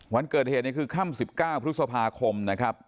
วันเกิดเหตุเนี่ยคือค่ำ๑๙พฤษภาคมนะครับ